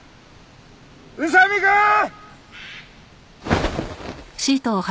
宇佐見くん！